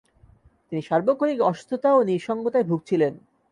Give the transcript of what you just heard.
তিনি সার্বক্ষণিক অসুস্থতা ও নিঃসঙ্গতায় ভূগছিলেন।